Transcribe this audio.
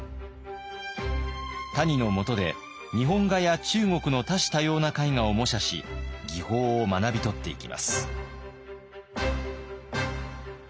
谷のもとで日本画や中国の多種多様な絵画を模写し技法を学び取っていきます。